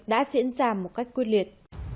đã diễn ra một cách quyết liệt